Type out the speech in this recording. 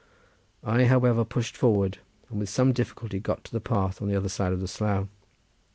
I, however, pushed forward, and with some difficulty got to the path on the other side of the slough.